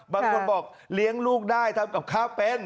บางคนบอกเลี้ยงลูกได้ทำกับข้าวเป็น